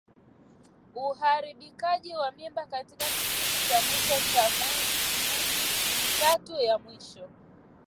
Uharibikaji wa mimba katika kipindi cha mwisho cha mimba miezi mitatu ya mwisho